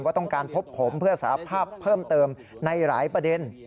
ต้องการพบผมเพื่อสารภาพเพิ่มเติมในหลายประเด็น